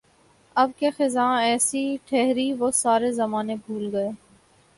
اب کے خزاں ایسی ٹھہری وہ سارے زمانے بھول گئے